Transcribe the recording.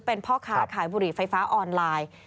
เป็นพ่อค้าขายบุหรี่ไฟฟ้าออนไลน์